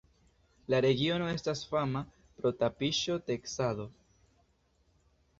La regiono estas fama pro tapiŝo-teksado.